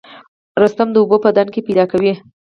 رستم د اوبو په ډنډ کې پیدا کوي.